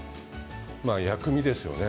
薬味ですよね。